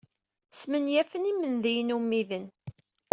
Smenyafen imendiyen ummiden.